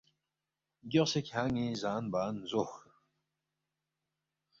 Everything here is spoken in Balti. گیوخسے کھیان٘ی زان بان زو